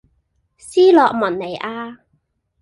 斯洛文尼亞